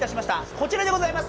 こちらでございます。